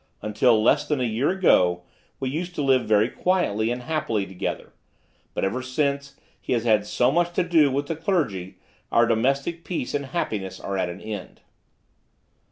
Until less than a year ago, we used to live very quietly and happily together, but ever since he has had so much to do with the clergy, our domestic peace and happiness are at an end."